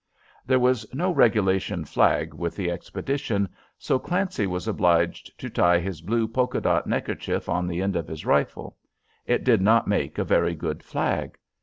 There was no regulation flag with the expedition, so Clancy was obliged to tie his blue polka dot neckerchief on the end of his rifle. It did not make a very good flag.